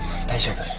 大丈夫。